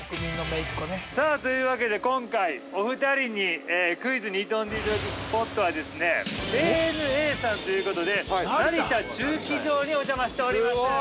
◆さあ、というわけで、今回お二人にクイズに挑んでいただくスポットは、ＡＮＡさんということで成田駐機場にお邪魔しております。